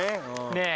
ねえ。